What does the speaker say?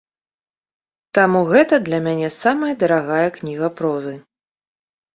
Таму гэта для мяне самая дарагая кніга прозы.